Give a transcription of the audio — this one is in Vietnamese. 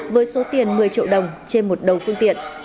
với số tiền một mươi triệu đồng trên một đầu phương tiện